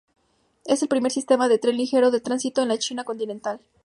Es el primer sistema de tren ligero de tránsito en la China continental.